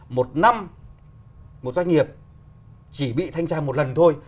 một năm một doanh nghiệp chỉ bị thanh tra một lần thôi